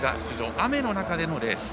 雨の中でのレース。